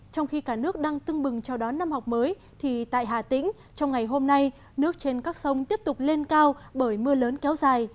trong khi cả nước đang tưng bừng chào đón năm học mới thì tại hà tĩnh trong ngày hôm nay nước trên các sông tiếp tục lên cao bởi mưa lớn kéo dài